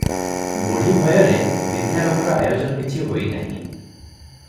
ବୁଢ଼ୀ ଭୟରେ ବିଧ୍ୟାରମ୍ଭର ଆୟୋଜନ କିଛି ହୋଇ ନାହିଁ ।